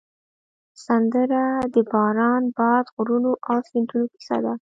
سندره د باران، باد، غرونو او سیندونو کیسه ده